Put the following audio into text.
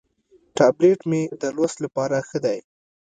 ټابلیټ مې د لوست لپاره ښه دی.